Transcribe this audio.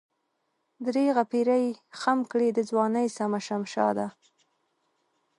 درېغه پيرۍ خم کړې دَځوانۍ سمه شمشاده